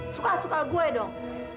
suka suka gua dong